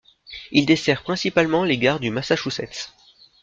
Il dessert principalement les gares du Massachusetts.